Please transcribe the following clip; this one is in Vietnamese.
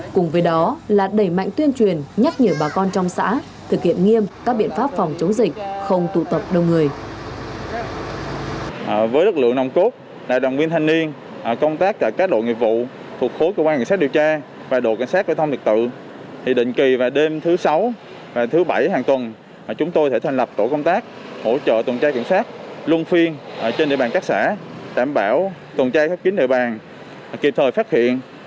cùng với đó là đẩy mạnh tuyên truyền nhắc nhở bà con trong xã thực hiện nghiêm các biện pháp phòng chống dịch không tụ tập đông người